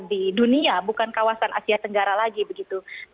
di dunia bukan kawasan asia tenggara lagi begitu